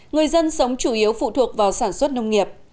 người dân sống chủ yếu phụ thuộc vào sản xuất nông nghiệp